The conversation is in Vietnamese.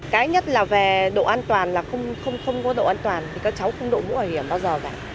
cái nhất là về độ an toàn là không có độ an toàn thì các cháu không đội mũ bảo hiểm bao giờ cả